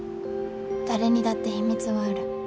誰にだって秘密はある。